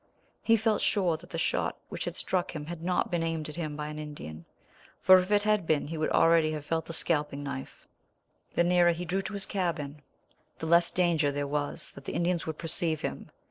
He felt sure that the shot which had struck him had not been aimed at him by an Indian, for if it had been he would already have felt the scalping knife. The nearer he drew to his cabin the less danger there was that the Indians would perceive him.